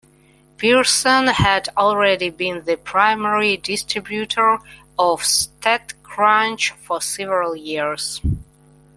Pearson had already been the primary distributor of StatCrunch for several years.